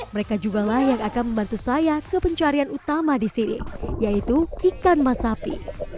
mereka juga lah yang akan membantu saya ke pencarian utama di sini yaitu ikan masapi